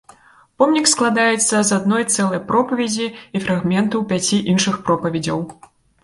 Помнік складаецца з адной цэлай пропаведзі і фрагментаў пяці іншых пропаведзяў.